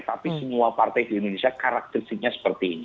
tapi semua partai di indonesia karakteristiknya seperti ini